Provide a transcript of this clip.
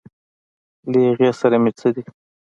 له هغې سره مې څه دي.